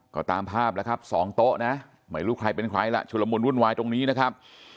ก็ตามภาพแล้วครับสองโต๊ะนะไม่รู้ใครเป็นใครล่ะชุลมุนวุ่นวายตรงนี้นะครับ